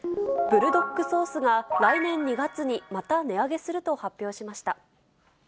ブルドックソースが、来年２月にまた値上げすると発表しました。